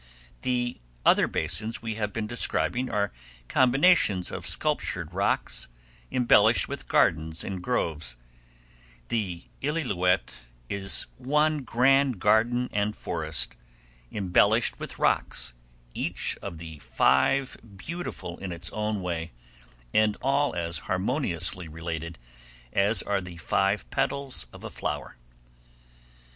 The other basins we have been describing are combinations of sculptured rocks, embellished with gardens and groves; the Illilouette is one grand garden and forest, embellished with rocks, each of the five beautiful in its own way, and all as harmoniously related as are the five petals of a flower.